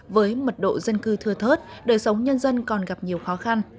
với mật độ dân cư thưa thớt đời sống nhân dân còn gặp nhiều khó khăn